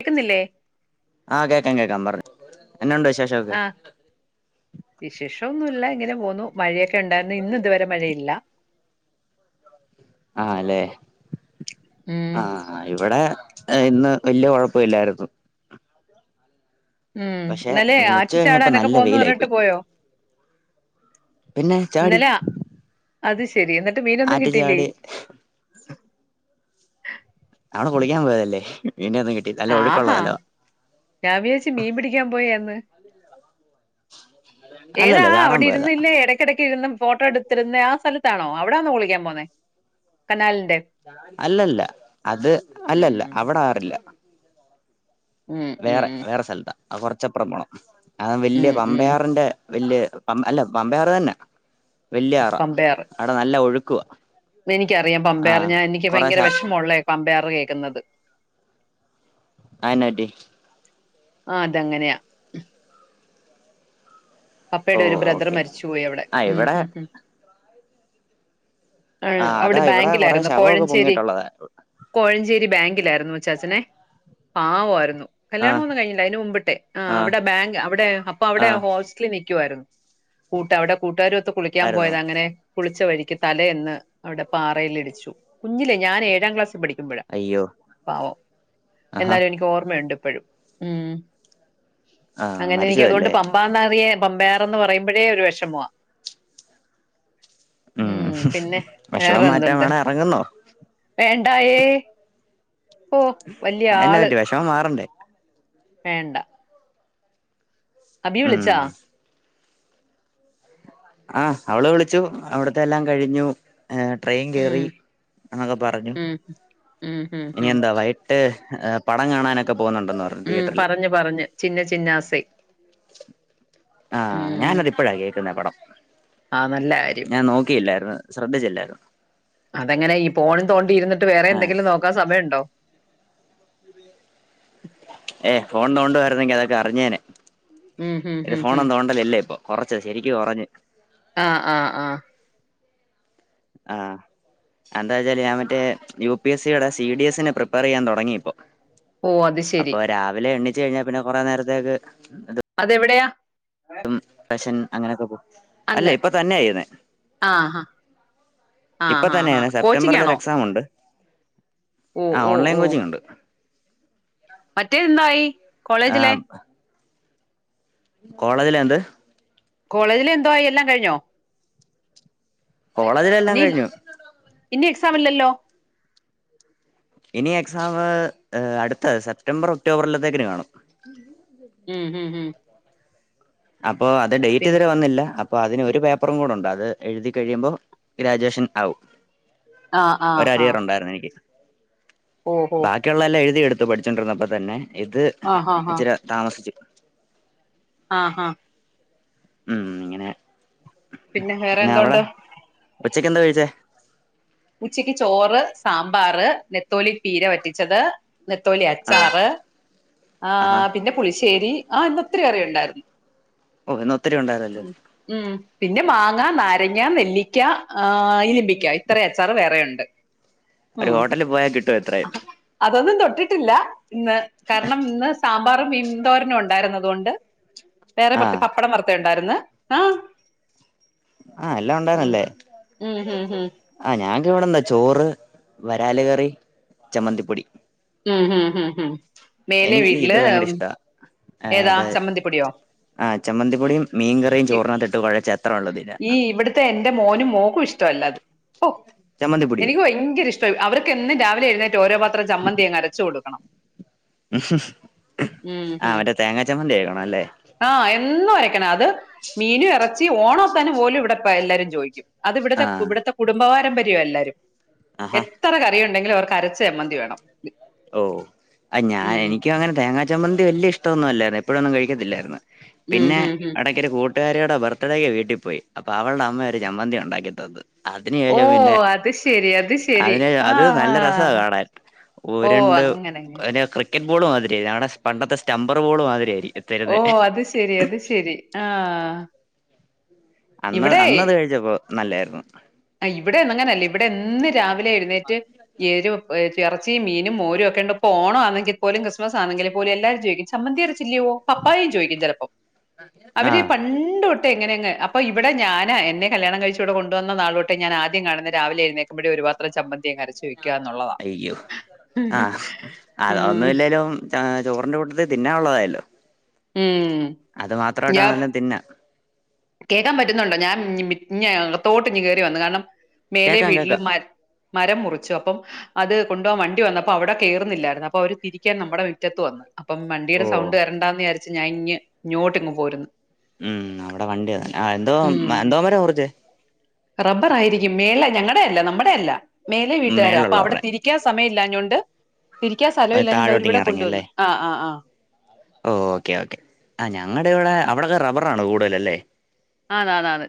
കേക്കുന്നില്ലേ ആഹ് കേക്കാം കേക്കാം പറ് എന്നാണ്ട് വിശേഷൊക്കെ? വിശേഷന്നുമില്ല ഇങ്ങനെ പോന്നു മഴയൊക്കെയുണ്ടായിരുന്നു. ഇന്ന് ഇതുവരെ മഴയില്ല ആല്ലെ ഉം ആഹ് ഇവിടെ ഇന്ന് വല്ല്യ കൊഴപ്പമില്ലായിരുന്നു ഉം ഇന്നലെ ഉച്ച ആറ്റിൽ കഴിഞ്ഞപ്പോ ചാടാനൊക്കെ നല്ല പോവും വെയിലായി പറഞ്ഞിട്ട് പോയി പോയോ പിന്നെ ചാടി ഇന്നലെ ആ, അത് ശരി എന്നിട്ട് മീനൊന്നും ആറ്റി കിട്ടിയില്ലേ? ചാടി അവിടെ കുളിക്കാൻ പോയതല്ലേ മീനൊന്നും കിട്ടി നല്ല ഒഴുക്കുള്ള ആഹാ സ്ഥലവാ ഞാൻ വിചാരിച്ചു മീൻ പിടിക്കാൻ പോയാന്ന് ഏതാ അല്ലല്ല ചാടാൻ അവിടെ പോയതാ ഇരുന്നില്ലേ എടക്കെടയ്ക്ക് ഇരുന്ന് ഫോട്ടോ എടുത്തിരുന്ന ആ സ്ഥലത്താണോ അവിടാണൊ കുളിക്കാൻ പോന്നേ കനാല് അല്ലല്ല അത് ഉം അല്ലല്ല അവിടാറില്ല ഉം ഉം വേറെ വേറെ സ്ഥലത്താ അത് കൊറച്ചപ്പുറം പോകണം അത് വല്ല്യ ഉം ഉം പമ്പയാറിന്റെ വല്ല്യ പ അല്ല പമ്പയാറ്തന്നാ വല്ല്യയാറാ പമ്പയാറ് അവിടെ നല്ല ഒഴുക്കുവാ എനിക്കറിയാം പമ്പയാറെ ആഹ് ഞാൻ എനിക്ക് കൊറേ ശ ഭയങ്കര അതെന്നാ വിഷമമുള്ളയാ പമ്പയാർ കേക്കുന്നത് ആണോടി ആ അതങ്ങനെയാ ഓ അപ്പയുടെ ഒരു ബ്രദർ ഓക്കെ മരിച്ചുപോയി അവിടെ ആ ഉം ഇവിടെ ഉം ഉം ആ അവിടെ അതാ ഇവിടെ കൊറെ ബാങ്കിലായിരുന്നു ശവമൊക്കെ കോഴഞ്ചേരി, പൊങ്ങിയിട്ടുള്ളതാ കോഴഞ്ചേരി ബാങ്കിൽ ലായിരുന്നു, അച്ചാച്ചനെ പാവമായിരുന്നു ആ കല്യാണമൊന്നും കഴിഞ്ഞില്ല അതിന് മുമ്പിട്ട് ആ അവിടെ ബാങ്ക് അവിടെ അപ്പൊ ആ അവിടെ- നിക്കുവാരുന്നു അവിടെ കൂട്ടുകാരും കുളിക്കാൻ ആയിരുന്നോ പോയത് അങ്ങനെ കുളിച്ച വഴിക്ക് തലയന്ന് അവിടെ പാറേൽ ഇടിച്ചു, കുഞ്ഞിലേ ഞാൻ ഏഴാം ക്ലാസ്സിൽ പഠി ക്കുമ്പഴ അയ്യോ പാവം, ആഹാ എന്നാലും എനിക്ക് ഓർമ്മയുണ്ട് ഇപ്പഴും മ് ആ അങ്ങനെ എനിക്ക് അതുകൊണ്ട് മരിച്ചുപോയല്ലേ പമ്പാന്ന [unintelligible] പമ്പയാറന്ന് പറയുമ്പഴെ ഒരു വെഷമ. മ് ഉം പിന്നെ വിഷമം വേറെ മാറ്റാൻ എന്തുണ്ട്? വേണ ഇറങ്ങുന്നോ വേ ണ്ടായെ അതെന്ന പറ്റി വെഷമം മാറണ്ടേ. വേണ്ട. അബി ഉം വിളിച്ചാ? ആഹ് അവള് വിളിച്ചു, അവിടുത്തെ എല്ലാം കഴിഞ്ഞു. ഏഹ് ട്രെയിൻ ഉം കേറി [unintelligible] പറഞ്ഞു. ഉം ഉം ഉം ഇനി ഉം എന്താ വൈകിട്ട് ഏ പടം കാണാനൊക്കെ പോകുന്നുണ്ടെന്ന് പറഞ്ഞു മ് തിയേറ്ററിൽ പറഞ്ഞു പറഞ്ഞു ചിന്ന ചിന്നാസൈ ആഹ് ഉം ഞാനത് ഇപ്പഴാ കേക്കുന്നെ പടം. ആ നല്ല കാര്യം. ഞാൻ [unintelligible] ശ്രദ്ധിച്ചില്ലായിരുന്നു. അതെങ്ങനെ ഈ പോൺ തോണ്ടി ഇരുന്നിട്ട് വേറെ ആ എന്തെങ്കിലും നോക്കാൻ സമയണ്ടോ. ഏ ഫോൺ തൊണ്ടുരുന്നെങ്കിൽ അതൊക്കെ അറിഞ്ഞേനെ, ഉം ഉം ഇത് ഉം ഉം ഫോണോന്നും തോണ്ടലില്ല ഇപ്പോ. കൊറച്ച് ശരിക്ക് കൊറഞ്ഞ്. ആഹ് ആഹ് ആഹ് ആഹ് എന്താ വെച്ചാല് ഞാൻ മറ്റേ യു പി എസ് സിയുടെ സി ഡി എസിന് പ്രിപ്പയർ ചെയ്യാൻ തൊടങ്ങി ഇപ്പോ. ഓ അത് ശരി അപ്പോ രാവിലെ എണീച്ച് കഴിഞ്ഞാ പിന്നെ കൊറേ നേരത്തേക്ക് ഇത് എവിടെയാ? [unintelligible] അങ്ങനെയൊക്കെ പോ അല്ല ഇപ്പ തന്നെയാ ചെയ്യുന്നെ. ആ ആ ആ ഇപ്പൊ ആ ആ തന്നെയന്ന കോച്ചിങ് സെപ്റ്റംബറൽ ഒരു ആണോ എക്സാം ഉണ്ട് ഓ ആ ഓൺലൈൻ കോച്ചിങ് ഉണ്ട് മറ്റേ എന്തായി കോളേജിലെ കോളേജില എന്ത് കോളേജില എന്തായി എല്ലാം കഴിഞ്ഞോ കോളേജിലെ എല്ലാംകഴിഞ്ഞു ഇന്ന്എക്സാം ഇല്ലല്ലോ ഇനി എക്സാം അടുത്ത സെപ്റ്റംബർ ഒക്ടോബറിലത്തേക്കിന് വേണും ഉം ഹം ഉം അപ്പൊ അത് ഡേറ്റ് പിൻ ഇതുവരെ വന്നില്ല അപ്പൊ അതിന് ഒരു പേപ്പറും കൂടെ ഉണ്ട് അത് എഴുതി കഴിയുമ്പോൾ ഗ്രാജുവേഷൻ ആവും ആ ആ ഒ ആ അരികറ ഉണ്ടായിരുന്നു എനിക്ക് ഓ ഹോ ബാക്കിയുള്ള എല്ലാം എഴുതിയ എടുത്തു പഠിച്ചിണ്ടിരന്നപ്പോ തന്നെ ഇത് ആ ഹാ ഇച്ചിരി താമസിച്ചു ആഹ് ആഹ ഉം ഇങ്ങനെ പിന്നെ വേറെ എന്തോണ്ട് ഉച്ചക്ക് എന്താ കഴിച്ചേ ഉച്ചക്ക് ചോറ് സാമ്പാറ് നെത്തോലിക് പീര വറ്റിച്ചത് നെത്തോലി ആഹ് അച്ചാറ് ആ ആഹാ പിന്നെ പുളിശ്ശേരി ആഹന്നത്ര കറുണ്ടായിരുന്നു ഓ ഇന്ന് ഒത്തിരി ഉണ്ടായിരുന്നല്ലോ ഉ പിന്നെ മാ മാങ്ങ നാരങ്ങ നെല്ലിക്ക ആ ഇലിമ്പിക്ക ഇത്ര അച്ചാറ് വേറെയുണ്ട് ഉ ഒരു ഹോട്ടലിൽ പോയാൽ കിട്ടും എത്രയും അതൊന്നും തൊട്ടി ല്ല. ഇന്ന് കാരണം ഇന്ന് സാമ്പാറും മീന്തോരനും ഉണ്ടായിരുന്നതുകൊണ്ട് വേറെ പുറത്ത് ആഹ് പപ്പടം വറുത്ത ഉണ്ടായിരുന്ന് ആഹ് ആഹ്‌ എല്ലാംഉണ്ടാരുനല്ലേ ഉം ഉം ഉം ആഹ്‌ ഞാക്ക് ഇവിടെന്നു ചോറ് വരാല് കറി ചമ്മന്തിപ്പൊടി മ് മ് മ് മേലെ എനിക്ക് ഇത് വീട്ടില് ഭയങ്കര ഇഷ്ടാ ഏഹ് ഏതാ അത് ചമ്മന്തിപ്പൊടിയോ ആഹ് ചമ്മന്തിപ്പൊടിം മീൻകറിം ഈ ചോറിനകത്തി ഇട്ട് കുഴച്ച അത്ര ഉള്ളതില്ല ഈ ഇവിടുത്തെ എന്റെ മോനും മോൾക്കും ഇഷ്ട്ടല്ല അത് ഓ ചമ്മന്തിപ്പൊടിയോ എനിക്ക് ഭയങ്കര ഇഷ്ട്ടായി അവർക്ക്‌ എന്നും രാവിലെ എഴുന്നെ ഓരോപാത്രംച്ചമ്മന്തി അങ്ങ് അരച്ചു കൊടുക്കണം [unintelligible] ഉം ഉം അവര തേങ്ങാച്ചമ്മന്തി [unintelligible] ആ എന്നും അത് മീനും ഇറച്ചിം ഓണത്തനു പോലും ഇവിടെപ്പ എല്ലാരും ചോയിക്കും അത് ഇവിടത്തെ ആഹ് ഇവിടത്തെ കുടുംബ പാരമ്പര്യ എല്ലാരും. ആഹാ എത്ര കറിയ ഉണ്ടെങ്കിലും അവർക്ക് അരച്ച ചമ്മന്തി വേണം ഓ അ ഞാൻ ഉം എനിക്ക് അങ്ങനെ തേങ്ങാ ചമ്മന്തി വല്ല്യ ഇഷ്ട്ടൊ ന്നല്ലായിരുന്നു എപ്പോഴൊന്നും കഴിക്കത്തില്ലായിരുന്നു ഉം പിന്നെ ഉം ഉം എടക്കരു കൂ ട്ടുകാരിയുടെ ബർത്ത്ഡേയ്ക്ക് വീട്ടിൽ പോയി അപ്പം അവൾട അമ്മയൊരു ചമ്മന്തി ഉണ്ടാക്കിതെന്നു അതിന് ഓ ശേഷം പിന്നെ അത് ശരി അത് ശരി അതിന് ആ അത് ആ, നല്ല രസ്സാ ആ. കാണാൻ ഓ [unintelligible] രണ്ട് അങ്ങനെ അങ്ങനെ അതിന് ക്രിക്കറ്റ് ബോള് മാതിരിയ ഇതാണെ പണ്ടത്തെ സ്റ്റംമ്പർ ബോള് മാതിരിയയി ഓ അത് ശെരി അത് ശെരി ആ അന്ന് അന്നത് കഴിച്ചപ്പോ നല്ലായിരുന്നു ആ ഇവിടൊന്നും അങ്ങനല്ല ഇവിടെ എന്ന് രാവിലെ എഴുന്നേറ്റ് [unintelligible] എറച്ചിം മീനും മോരും ഒക്കെ ഉണ്ട്പ്പോ ഓണം ആണങ്കിൽ പോലും ക്രിസ്മസ് ആണെങ്കിൽ പോലും എല്ലാരും ചോ ദിക്കും ചമന്തി [inaudible] ല്ലയോ പപ്പായും ചോയിക്കും ചെലപ്പൊ അവര് ആഹ് പൺണ്ടൊട്ടേ ഇങ്ങനെ അങ്ങ് അപ്പൊ ഇവിടെ ഞാനാ എന്നെ കല്യാണം കഴിച്ചുഇവിടെ കൊണ്ടുവന്നാളോട്ട് ഞാൻ ആദ്യം കാണുന്നത് രാവിലെ എഴുന്നേക്കുബയെ ഒരുപാത്രം ചമ്മന്തിയങ്ങരച്ചുവെക്കും അയ്യോ ആഹ്‌ ഉം അതൊന്നും ഇല്ലെലും ചോറിന്റെ കൂട്ട തിന്നാൻ ഉള്ളതായല്ലോ ഉം അത് മാത്രയിട്ടാനേലും തിന്ന കേൾക്കാൻ പറ്റുന്നുണ്ടോ ഞാൻ [unintelligible] അകതോട്ട് ഇങ് കേറി വന്ന് കാരണം മേലെ കേക്കാം വീട്ടില് കേക്കാം മരം മുറിച്ചു അപ്പം അത് കൊൺഡുവാൻ വണ്ടി വന്നപ്പം അവട കേറിന്നില്ലായിരുന്നു അപ്പൊ അവര് തിരിക്കാൻ നമ്മടെ മിറ്റത്തു വന്ന് അപ്പം ഓ വണ്ടിയുടെ സൗണ്ട് വരണ്ടാന്ന് വിചാരിച്ച് ഞാൻ ഇങ് ഇങ്ങോട്ടിങ് പോരു ഉം അവിടെ വണ്ടിയാ ആ എന്തോം ആ എന്തോ മര മുറിച്ചെ റബ്ബർ ആയിരിക്കും മെല്ളെ ഞങ്ങടയല്ല നമ്മടയല്ല മേലെ വീട്ടാര അപ്പൊ അവിടെ മേളിലുള്ളവരുടെ തിരിക്കാൻ സമയം ഇല്ലാഞ്ഞൊണ്ട് തിരിക്കാൻ അത് സ്ഥലഇല്ലാഞോണ്ട് അവര് താഴോട്ട് ഇവിടെ ഇങ്ങ് കൊണ്ടുവന്ന് ഇറങ്ങിയല്ലേ ആ ആ ആ അവടൊക്ക റബ്ബറാണോ കൂടുതൽ അല്ലേ ആണ് ആണ് ആണ്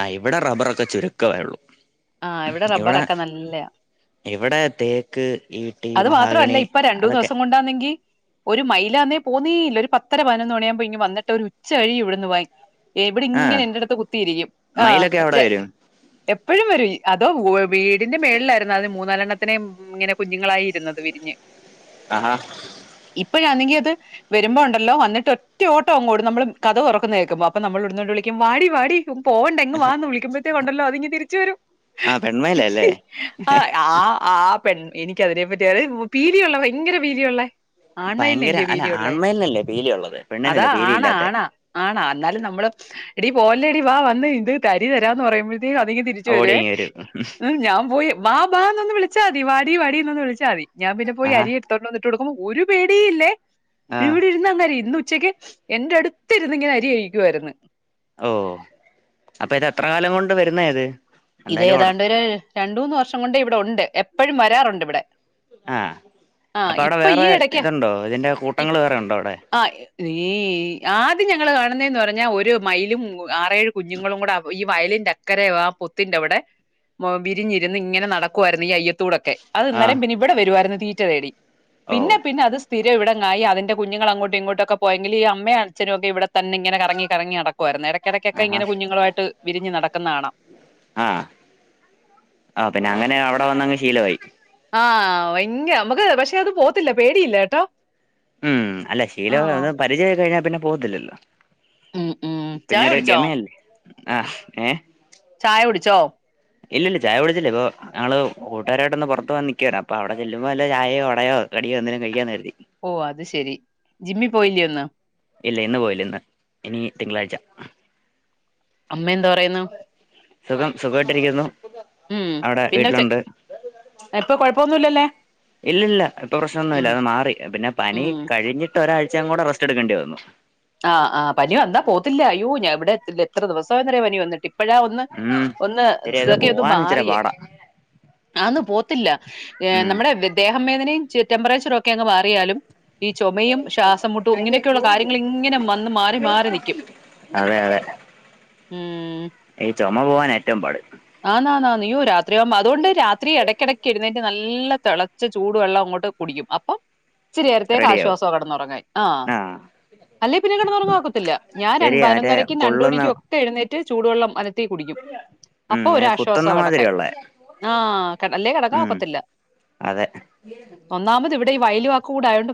ആ ഇവിട റബ്ബറൊക്കെ ചുരുക്കവേ ഒള്ളൂ ആഹ് ഇവിടെ റബ്ബറെക്കെ നല്ലയ്യാ ഇവിടെ തേക്ക് ഈട്ടി അത് മാത്രല്ല മഹാഗണി ഇപ്പ രണ്ടു മൂന്നു അതൊക്കെ ദിവസം കൊണ്ടാന്നെങ്കി ഒരു മൈലാന്നേ പോന്നേയില്ല ഒരു പത്തര പതിനൊന്നു മണി ആവുമ്പോ ഇങ് വന്നിട്ട് ഒരു ഉച്ച കഴിയും ഇവടന്ന് പോവാൻ ഇവിടെ ഇങ്ങനെ ആഹ് എൻന്റെടുത്ത് കുത്തിയിരിക്കും ആ മയിലൊക്കെ അവിടെ വരും എപ്പഴും വരും അതോ വീടിന്റെ മേളിലായിരുന്നു ആദ്യം മൂന്നാലണ്ണത്തിനേം ഇങ്ങനെ കുഞ്ഞുങ്ങളായി ഇരുന്നത് വിരിഞ്ഞ് ആഹ്‌ ഇപ്പയനഗി അത് വരുമ്പോ ഉണ്ടല്ലോ വന്നിട്ട് ഒറ്റ ഓട്ടം അങ്ങോട് ഓടും നമ്മൾ കതക് തുറക്കുന്ന കേക്കുമ്പോ അപ്പം നമ്മൾ [unintelligible] വാടി വാടി പോകണ്ട ഇങുവാന്ന് വിളിക്ക്പഴത്തേണ്ടല്ലോ അതിങ്ങ തിരിച്ച് വരും ആ പെൺമയിലല്ലേ ആ ആ ആ പെൺ എനിക്ക അതിനെപ്പറ്റി അറിയില്ല പീലിയു ള്ള ഭയങ്കര പീലിയുള്ളേ ആൺമയിൽ ഭയങ്കര ഇല്ല്യോ അല്ല പീലിയുള്ളേ ആൺമയിലിനല്ലേ പീലി ഉള്ളത് അതാ പെണ്ണിനല്ലേ പീലി ആണാ ഇല്ലാത്തെ ആണാ ആണാ എന്നാലും നമ്ള് എടീ പോവല്ലേടി വാ വന്ന് ഇത് അരി തരാന്ന് പറയുമ്പോഴത്തേക്ക് ഓടി ഒരു ഞാൻ പോയി ബാ ബാ ഒന്ന് വിളിച്ചാൽ മതി വാടി വാടീന്ന് വിളിച്ചാൽ മതി ഞാൻ പിന്നെ പോയി ആഹ് അരിയടുത്തോണ്ട് വന്നിട്ട് കൊടുക്കുമ്പോ ഒരു പേടി ഇല്ലേ ആഹ് ഇവിടെ ഇരുന്ന് അങ്ങ് അരിയും ഉച്ചക്ക് എന്റെ അടുത്ത് ഇരുന്ന് ഇങ്ങനെ അരി കഴിക്കുവായിരുന്ന് ഓ അപ്പൊ ഇത് എത്ര കാലം കൊണ്ട് വരുന്ന ഇത് ഇത് എന്തായാലും ഓട ഏതാണ്ട് ഒരു രണ്ട് മൂന്ന് വർഷം കൊണ്ട് ഇവിടെ ഉണ്ട് എപ്പോഴും വരാറുണ്ട് ഇവിടെ ആഹ ആ അപ്പൊ അവിടെ ഇപ്പൊ ഈ വേറെ ഇടയ്ക്കാ ഇതുണ്ടോ ഇതിന്റെ കൂട്ടങ്ങൾ വേറെ ഉണ്ടോ അവിടെ നീ ആദ്യം ഞങ്ങള് കാണുന്നെന്ന് പറഞ്ഞാ ഒരു മയിലും ആറേഴ് കുഞ്ഞുങ്ങളും കൂടെ ഈ വയല് ക്കറെ വ [unintelligible] ന്റെ അവിടെ വിരിഞ്ഞിരുന്ന് ഇങ്ങനെ നടക്കുവായിരുന്നു ഈ അയ്യത്തൂടൊക്കെ അത് ആഹ് ഇന്നേരം പിന്നെ ഇവിടെ വരുമായിരുന്നു തീറ്റ തേടി ഓ പിന്നെ പിന്നെ അത് സ്ഥിരം ഇവിടങ്ങായി അതിന്റെ കുഞ്ഞുങ്ങൾങ്ങോട്ടും ഇങ്ങോട്ടും ഒക്കെ പോയെങ്കിലും ഈ അമ്മയും അച്ഛൻ ഒക്കെവിടെ തന്നെ ഇങ്ങനെ കറങ്ങി കറങ്ങി നടക്കുമായിരുന്നു ഇടയ്ക്കിടയ്ക്കൊക്കെ ആഹാ ഇങ്ങനെ കുഞ്ഞുങ്ങളുമായിട്ട് വിരിഞ്ഞു നടക്കുന്നാണം ആഹ ആ പിന്നെ അങ്ങനെ അവിടെ വന്നങ്ങ് ശീലായി ആഹ ഭയങ്കര നമുക്ക് പക്ഷേ അത് പോവത്തില്ല പേടിയില്ലാട്ടോ ഉം അല്ല ശീലായ അത് പരിചയം ആയി കഴിഞ്ഞാ പിന്നെ പോകത്തില്ലല്ലോ ഉം ഉം ചായ കുടിച്ചോ ആഹ ഏ ചായ കുടിച്ചോ ഇല്ല ഇല്ല ചായ കുടിച്ചില്ല ഇപ്പൊ ഞങ്ങള് കൂട്ടാരായിട്ടൊന്ന് പുറത്ത് പോവാൻ നിക്കാണ് അപ്പോ അവിടെ ചെല്ലുമ്പോ അല്ല ചായയോ വടയോ കടിയോ എന്തകിലും കഴിക്കാന്ന് കരുതി ഓ അത് ശെരി ജിമ്മിൽ പോയില്ലേ ഇന്ന് ഇല്ല ഇന്ന് പോയില്ല ഇന്ന് ഇനി തിങ്കളാഴ്ച അമ്മ എന്താ പറയുന്നു സുഖം സുഖമായിട്ടിരിക്കുന്നു ഉം അവിടെ പിന്നെ ചെ വീട്ടിലുണ്ട് ഇപ്പൊ കൊഴപ്പൊന്നുല്ലല്ലേ ഇല്ല ഇല്ല ഇപ്പൊ പ്രശ്നംമൊന്നുമില്ല ഉം അത് മാറി പിന്നെ ഉം പനി കഴിഞ്ഞിട്ട് ഒരാഴ് ച്ച കൂടെ റെസ്റ്റ് എടുക്കേണ്ടി വന്നു ആഹ ആഹ പനി വന്നാ പോവത്തില്ല അയ്യോ ഞാൻ ഇവിടെ എത്ര ദിവസം ആയന്നോ പനി വന്നിട്ട് ഇപ്പോഴാ ഒന്ന് ഉം ഒന്ന് ശരിയായത് ഇതൊക്കെ ഒന്ന് പോവാൻ ഇച്ചിരി മാറിയേ പാടാ ആന്നു പോവത്തില്ല ഉം നമ്മുടെ ദേഹം വേദനയും ടെമ്പറേച്ചർ ഒക്കെ ഒക്കെ മാറിയാലും ഈ ചുമയും ശ്വാസംമുട്ടും ഇങ്ങനെയക്കെയുള്ള കാര്യങ്ങൾ ഇങ്ങനെ വന്ന് മാറി മാറി നിക്കും അതെ അതെ ചുമ പോവാനാ ഏറ്റവും പാട് ആന്ന് ആന്ന് ആന്ന് അയ്യോ രാത്രിയാകുമ്പോ അതുകൊണ്ട് രാത്രി ഇടയ്ക്കിടയ്ക്ക് ഇരുന്നേറ്റ് നല്ല നല്ല തിളച്ച ചൂടുവെള്ളം അങ്ങോട്ട് കുടിക്കും അപ്പം ഇച്ചിരി നേരത്തേക്ക് റെഡിയാവും ആശ്വാസാ കിടന്നുറങ്ങാൻ ആഹ ആഹ് അല്ലെ പിന്നെ കിടന്നുറങ്ങാൻ ഒക്കത്തില്ല ഞാൻ ശരിയാ മറ്റേ പതിനൊന്നരയ്ക്കും രണ്ടു കൊള്ളുന്ന മണിക്കും ഒക്കെ എഴുന്നേ റ്റ് ചൂടുവെള്ളം അനത്തി കുടിക്കും ഉം അപ്പൊ ഒരാശ്വാസോ കുത്തുന്ന കിടക്കാൻ മാതിരിയുള്ളേ ആഹ അല്ലേ കിടക്കാൻ ഉം ഒക്കത്തില്ല അതെ ഒന്നാമത് ഇവിടെ ഈ വയലുവാക്ക് കൂടായോണ്ട്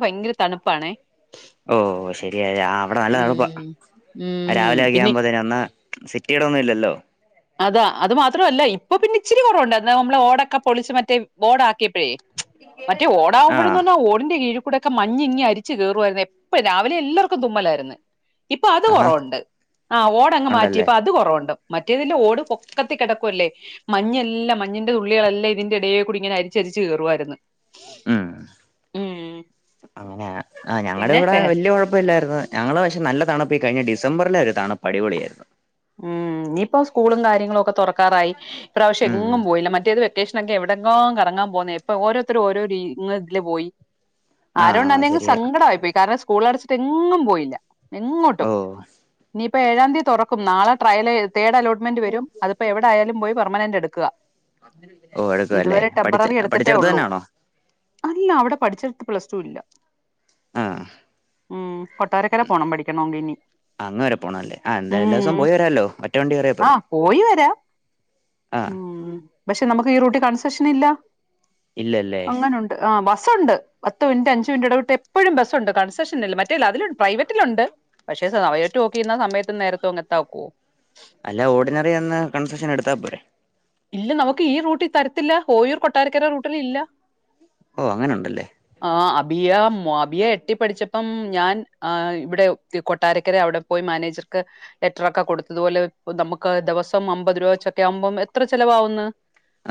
ഓ ശരിയ ആ അവിടെ നല്ല തണുപ്പാ ഉം. ഉം. രാവിലെ ആകിയ പിന്നെ അമ്പതിന് വന്നാ സിറ്റിയടെ ഒന്നും ഇല്ലല്ലോ അതാ അത് മാത്രമല്ല ഇപ്പൊ പിന്നെ ഇച്ചിരി കുറവുണ്ട് നമ്മള് ഒടൊക്കെ പൊളിച്ച് മറ്റേ ഓടാക്കി മറ്റേ ഓടാകുമ്പോഴന്ന് ആഹ് പറഞ്ഞാൽ ഓടിന്റെ കീഴ കൂടൊക്കെ മഞ്ഞിങ്ങ അടിച്ച് കേറുയായിരുന്നു എപ്പഴും രാവിലെ എല്ലാവർക്കും തുമ്മലായിരുന്നു ഇപ്പൊ അത് ആഹാ കുറവുണ്ട് ആ ഓടങ്ങ് ഉണ്ടല്ലേ മാറ്റിയപ്പം അത് കുറവുണ്ട് മറ്റേതില് ഓട് പൊക്കത്തിൽ കിടക്കുവല്ലേ മഞ്ഞെല്ലാം മഞ്ഞിൻന്റെ തുള്ളികളെല്ലാം ഇതിന്റെ ഇടെ കൂടി ഇങ്ങനെ അരിച്ചരിച്ച് കേറുവായിരുന്നു ഉം അങ്ങനെ ആ ഞങ്ങടെ പിന്നെ ഇവിടെ വേറെ വലിയ കുഴപ്പമല്ലായിരുന്നു ഞങ്ങള് പക്ഷേ നല്ല തണിപ്പിൽ കഴിഞ്ഞ ഡി ഡിസംബറിലെ ഒരുതാണ് പടിപൊളിയായിരുന്നു ഉം ഇനിയിപ്പോ സ്കൂളും കാര്യങ്ങളും ഒക്കെ തുറക്കാറായി ഇപ്രാവശ്യം ഉം എങ്ങും പോയില്ല മറ്റേത് വ ലൊക്കേഷനൊക്കെ എവിടെയങ്കും വെക്കേഷനോക്കേഇവിടേക്കോകറങ്ങാൻ പോകുന്നേ ഇപ്പൊ ഓരോത്തരും ഓരോ രീ ഇതില് പോയി ആ ആരണ്ടന്നെും ശരിയാ സങ്കടമായിപ്പോയി കാരണം സ്കൂള അടച്ചിട്ട് എങ്ങും പോയില്ല എങ്ങോട്ടും ഓ ഇനിയിപ്പോ ഏഴാം തീയതി തുറക്കും നാളെ ട്രയൽ തേഡ് അലോട്ട്മെന്റ് വരും അതിപ്പോ എവിടെയാലും പോയി പർമനന്റ് എടുക്കുക ഓ എടുക്കുവല്ലേ ഇതുവരെ പഠിച്ച ടെമ്പററി എടുത്തിട്ടേ പഠിച്ചെടുത്ത് ഉള്ളൂ തന്നെയാണോ അല്ല അവിടെ പഠിച്ചിതു പ്ലസ് ടു ഇല്ല ആ ഉം കൊട്ടാരക്കല്ല പോണം പഠിക്കണെങ്ക ഇനി അങ്ങ് വരെ പോണല്ലേ ആ എന്തായാലും എല്ലാ ദിവസവും ഉം പോയി വരാല്ലോ ഒറ്റ വണ്ടി കയറിയാ ആ പോരെ പോയി വരാ ആ പക്ഷെ നമുക്ക് ഈ റൂട്ടി കൺസെഷൻ ഇല്ല ഇല്ലല്ലേ അങ്ങനെുണ്ട് ആ വസ് ബസ് ഉണ്ട് പത്ത് മിനിറ്റ് അഞ്ച് മിനിട്ട് ഇടവിട്ട എപ്പൊഴും ബസ്ണ്ട് കൺസഷൻ ഇല്ല റ്റ അതിലുണ്ട് പ്രൈവറ്റിലുണ്ട് പക്ഷെ അവയോട്ട് നോക്കിുന്ന സമയത്തും നേരത്തെ എത്താക്കുവോ അല്ല ഓർഡിനറി എന്ന് കൺസെഷൻ എടുത്താൽ പോരെ ഇല്ല നമുക്ക് ഈ റൂട്ട് തരത്തില്ല ഓയൂർ കൊട്ടാരക്കര റൂട്ടിൽ ഇല്ല ഓ എങ്ങനെയുണ്ട്ണ്ടല്ലേ ബിയ ബിയ എട്ടി പഠിച്ചപ്പം ഞാൻ ഇവിടെ കൊട്ടാരക്കര അവിടെ പോയി മാനേജർ ലെറ്ററൊക്കെ കൊടുത്തതുപലെ നമുക്ക് ദിവസം അമ്പത് രൂപ വെച്ചൊക്കെ ആവുമ്പോം എത്ര ചിലവാവുന്നു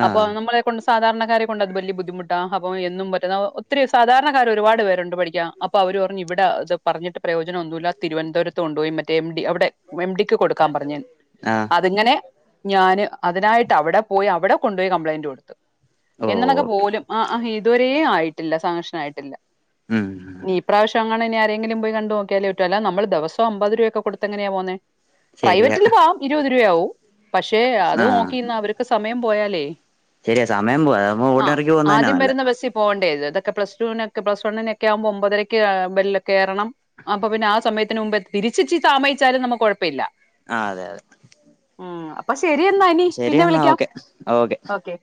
ആ അപ്പൊ നമ്മളെക്കൊണ്ട് സാധാരണക്ക സാധാരണക്കാരെ കൊണ്ട് അത് വലിയ ബുദ്ധിമുട്ടാണ് അപ്പൊ എന്നും പറ്റുന്ന ഒത്തിരി സാധാരണക്കാരർ ഒരുപാട് പേരുണ്ട് പഠിക്കാം അപ്പൊ അവര്പറഞ്ഞു ഇവിടെത് പറഞ്ഞിട്ട് പ്രയോജനംന്നുമല്ല തിരുവന്തപുത്ത്ുണ്ടപോ മറ്റ എം അവിടെ എംഡിക്ക് കൊടുക്കാൻ പറഞ്ഞ ആ അതിങ്ങനെ ഞാന് അതിനായിട്ട് അവിടെ പോയി അവിടെ കൊണ്ടുപോയി കംപ്ലൈയിന്റ് കൊടുത്തു ഓ എന്നുള്ളൊക്കെ ഓക്കെ പോലും ആ ഇ [unintelligible] ആയിട്ടില്ല സംക്ഷട്ടില്ല ഉം ന പ്രാവശ്യ ആ ഇനി ആരെങ്കിലും പോയി കണ്ട നോക്കിയാലേോറ്റോ അ നൾ ദിവം അപത് രൂപക്ക കൊടുത്തങ്ങെയാ പോന്നേ ശരിയാ പ്രൈവറ്റില് പോവാ ഇരുപത് രൂപയാവും പക്ഷേ അത് ആ നോക്കിന്ന അവർക്ക് സമയം പോയാലേ ശരിയാ സമയം പോവാ അതാവുമ്പോ ആ ഓർഡിനറിക്ക് പോകുന്നതന്നാ ആദ്യം നല്ലേ വരുന്ന ബസ്സിൽ പോകേണ്ട അതൊ പ്ലസ് ടുവിനൊക്കെ പ്ലസ് വണ്ണിനൊക്കെ ഒമ്പതരയ്ക്ക്ബെൽ ഒക്കെ കേറണം അപ്പോ പിന്നെ ആ സമയത്തിന് മുമ്പ് എത്തി ഇച്ചി ചി താമസിച്ചാലും നമുക്ക് കൊഴപ്പമില്ല ആ അതെ അതെ അപ്പൊ ശരി എന്ന ഇനി ശരി പിന്നെ എന്നാ വിളിക്കാം ഓക്കെ ഓക്കെ ഓെ